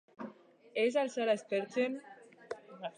Ez al zara aspertzen?